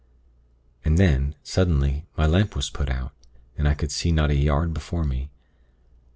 And then, suddenly, my lamp was put out, and I could not see a yard before me.